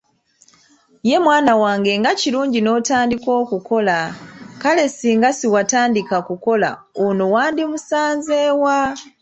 Ye mwana wange nga kirungi n'otandika okukola, kale singa siwatandika kukola ono wandimusanze wa?